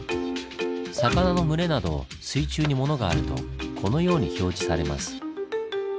魚の群れなど水中にモノがあるとこのように表示されます。